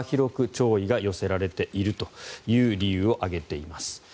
幅広く弔意が寄せられているという理由を挙げています。